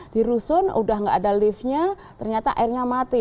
di rusun udah nggak ada liftnya ternyata airnya mati